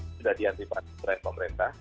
sudah diantipasi oleh pemerintah